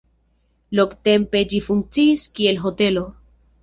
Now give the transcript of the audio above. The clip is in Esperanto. Longtempe ĝi funkciis kiel hotelo.